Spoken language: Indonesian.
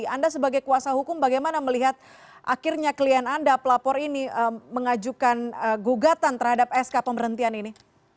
anda sebagai kuasa hukum bagaimana melihat akhirnya klien anda pelapor ini mengajukan gugatan terhadap sk pemberhentian ini